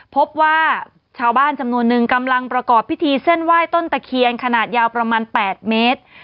พบว่าชาวบ้านจำนวนนึงกำลังประกอบพิธีเส้นไหว้ต้นตะเคียนขนาดยาวประมาณ๘เมตร